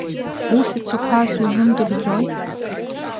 Ус ицақәаз узымдырӡои?